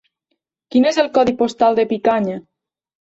Quin és el codi postal de Picanya?